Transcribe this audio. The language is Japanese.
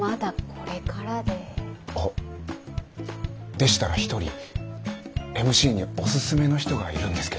あっでしたら一人ＭＣにおすすめの人がいるんですけど。